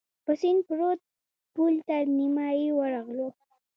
پر سیند پروت پل تر نیمايي ورغلو.